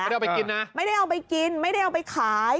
ไม่ได้เอาไปกินนะไม่ได้เอาไปกินไม่ได้เอาไปขาย